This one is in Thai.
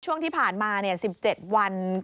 ช่วงที่ผ่านมา๑๗วัน